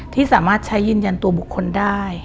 ที่สามารถใช้ยืนยันตัวบุคคลได้